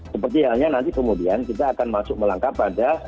seperti halnya nanti kemudian kita akan masuk melangkah pada